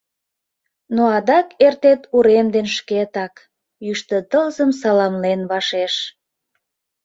Но адак эртет урем ден шкетак, Йӱштӧ тылзым саламлен вашеш.